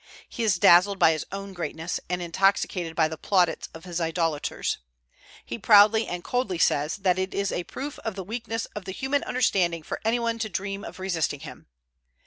He is dazzled by his own greatness, and intoxicated by the plaudits of his idolaters. He proudly and coldly says that "it is a proof of the weakness of the human understanding for any one to dream of resisting him."